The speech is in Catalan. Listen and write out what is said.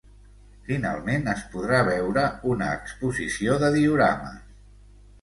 Finalment, es podrà veure una exposició de diorames.